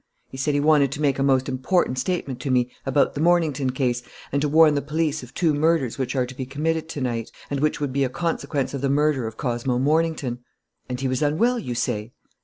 He said he wanted to make a most important statement to me about the Mornington case and to warn the police of two murders which are to be committed to night ... and which would be a consequence of the murder of Cosmo Mornington." "And he was unwell, you say?"